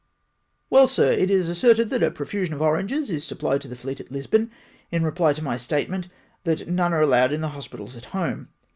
Well, Sir, it is asserted that a profusion of oranges is supplied to the fleet at Lisbon, in reply to my statement, that none are allowed in the hospitals at home.